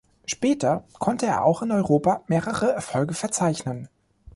Später konnte er auch in Europa mehrere Erfolge verzeichnen.